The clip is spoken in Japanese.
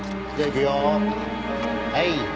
はい。